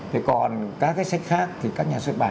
thế còn các cái sách khác thì các nhà xuất bản